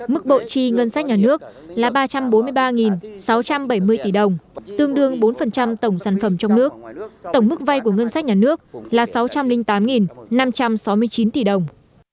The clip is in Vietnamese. mức bộ chi ngân sách nhà nước là ba trăm bốn mươi ba sáu trăm bảy mươi tỷ đồng tương đương bốn tổng sản phẩm trong nước tổng mức vay của ngân sách nhà nước là sáu trăm linh tám năm trăm sáu mươi chín tỷ đồng